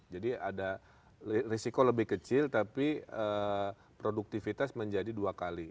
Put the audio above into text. jadi ada risiko lebih kecil tapi produktivitas menjadi dua kali